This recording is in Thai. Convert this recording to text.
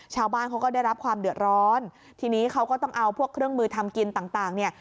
ชาวบ้านเขาก็ได้รับความเดือดร้อนทีนี้เขาก็ต้องเอาพวกเครื่องมือทำกินต่างต่างเนี่ย